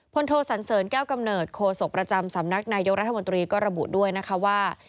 โทสันเสริญแก้วกำเนิดโคศกประจำสำนักนายกรัฐมนตรีก็ระบุด้วยนะคะว่า